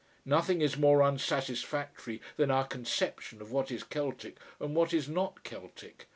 Nothing is more unsatisfactory than our conception of what is Celtic and what is not Celtic.